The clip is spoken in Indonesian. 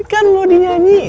kan lo dinyanyi